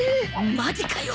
マジかよ。